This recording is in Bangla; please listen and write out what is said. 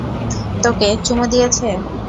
তোকে চুমু দিয়েছে।